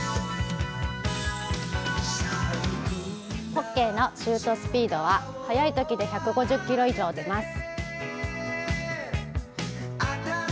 ホッケーのシュートスピードは速いときで１５０キロ以上出ます。